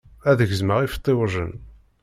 Ad gemẓeɣ ifṭiwjen.